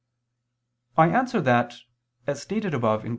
I answer that, As stated above (Q.